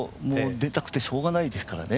出たくてしょうがないですからね。